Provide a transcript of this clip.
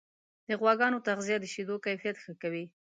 د غواګانو تغذیه د شیدو کیفیت ښه کوي.